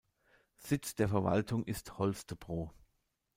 Sitz der Verwaltung ist Holstebro.